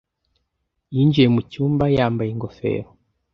Yinjiye mu cyumba yambaye ingofero.